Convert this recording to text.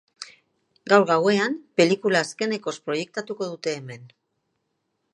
Gaur gauean, pelikula azkenekoz proiektatuko dute hemen.